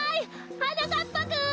はなかっぱくん！